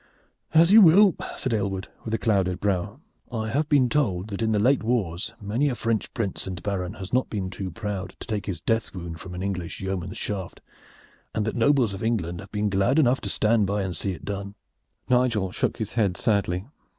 "As you will," said Aylward, with a clouded brow. "I have been told that in the late wars many a French prince and baron has not been too proud to take his death wound from an English yeoman's shaft, and that nobles of England have been glad enough to stand by and see it done." Nigel shook his head sadly.